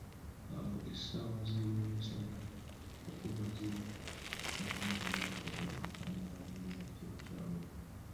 Awo mu ssaawa ze byemisana yagoba ziri zonna ne zidda eka nabuulira jajjaa we.